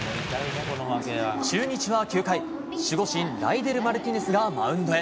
中日は９回守護神ライデル・マルティネスがマウンドへ。